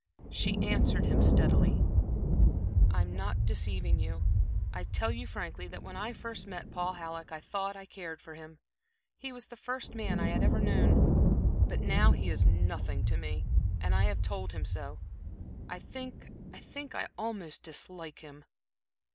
She answered him steadily; "I'm not deceiving you. I tell you frankly that when I first met Paul Halleck I thought I cared for him he was the first man I had ever known; but now he is nothing to me, and I have told him so I think I almost dislike him."